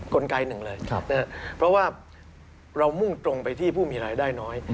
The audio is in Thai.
กลไกหนึ่งเลยนะครับเพราะว่าเรามุ่งตรงไปที่ผู้มีรายได้น้อย